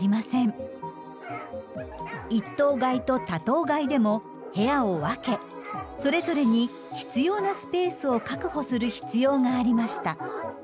一頭飼いと多頭飼いでも部屋を分けそれぞれに必要なスペースを確保する必要がありました。